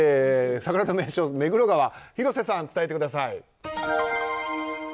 桜の名所、目黒川広瀬さん、伝えてください。